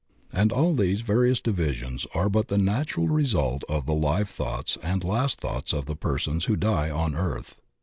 And all these various divisions are but the natural result of the life thoughts and last thoughts of the persons who die on earth.